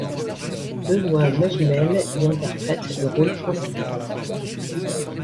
Benoît Magimel y interprète le rôle principal.